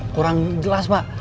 kurang jelas pak